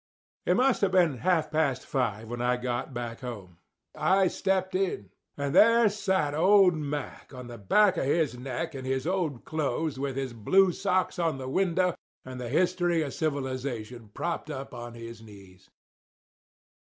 It must have been half past five when I got back home. I stepped in; and there sat old Mack on the back of his neck in his old clothes with his blue socks on the window and the History of Civilisation propped up on his knees.